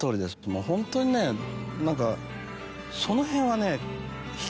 もうホントにね何かその辺はね。